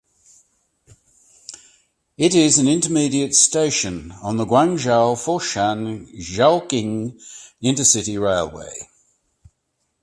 It is an intermediate station on the Guangzhou–Foshan–Zhaoqing intercity railway.